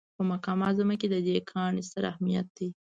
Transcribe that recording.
په مکه معظمه کې د دې کاڼي ستر اهمیت دی.